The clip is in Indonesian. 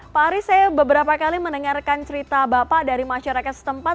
pak aris saya beberapa kali mendengarkan cerita bapak dari masyarakat setempat